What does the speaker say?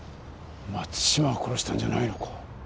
松島が殺したんじゃないのか。